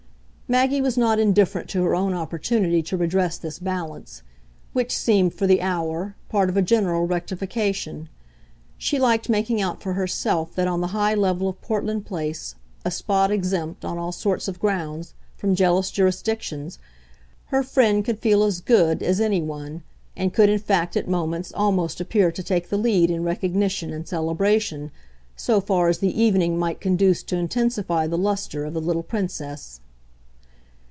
Maggie was not indifferent to her own opportunity to redress this balance which seemed, for the hour, part of a general rectification; she liked making out for herself that on the high level of Portland Place, a spot exempt, on all sorts of grounds, from jealous jurisdictions, her friend could feel as "good" as any one, and could in fact at moments almost appear to take the lead in recognition and celebration, so far as the evening might conduce to intensify the lustre of the little Princess.